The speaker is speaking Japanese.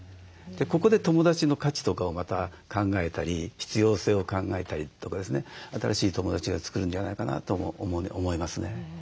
ここで友だちの価値とかをまた考えたり必要性を考えたりとかですね新しい友だちを作るんじゃないかなとも思いますね。